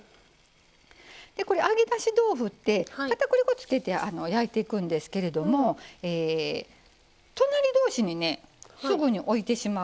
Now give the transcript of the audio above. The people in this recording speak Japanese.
これ揚げだし豆腐って片栗粉つけて焼いていくんですけれども隣同士にねすぐに置いてしまうと。